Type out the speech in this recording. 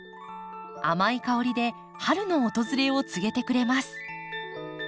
甘い香りで春の訪れを告げてくれます。